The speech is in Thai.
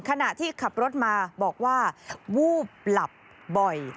ขณะที่ขับรถมาบอกว่าวูบหลับบ่อย